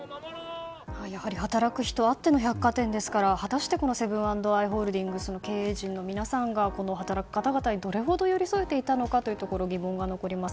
やはり働く人あっての百貨店ですから果たしてセブン＆アイ・ホールディングスの経営陣の皆さんがこの働く方々にどれほど寄り添えていたのか疑問が残ります。